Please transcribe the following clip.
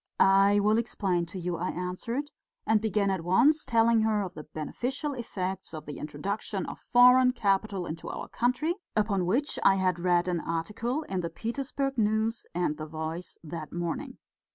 "I will explain to you," I answered, and began at once telling her of the beneficial effects of the introduction of foreign capital into our country, upon which I had read an article in the Petersburg News and the Voice that morning.